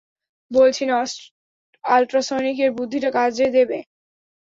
বলেছি না, আল্ট্রাসনিকের বুদ্ধিটা কাজ দেবে?